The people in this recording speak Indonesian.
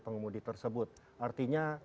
pengemudi tersebut artinya